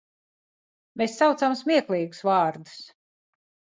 Mēs saucām smieklīgus vārdus.